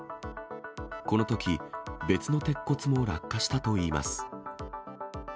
このとき、別の鉄骨も落下したといいます。